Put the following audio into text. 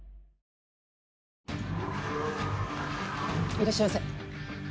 いらっしゃいませ。